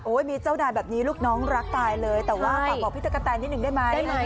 มีเจ้านายแบบนี้ลูกน้องรักตายเลยแต่ว่าฝากบอกพี่ตะกะแตนนิดนึงได้ไหม